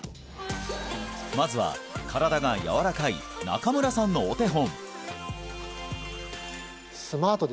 まずは身体が柔らかい中村さんのお手本